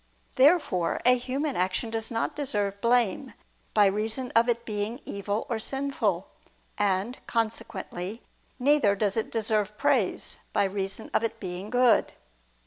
Therefore a human action does not deserve blame, by reason of its being evil or sinful; and, consequently, neither does it deserve praise, by reason of its being good.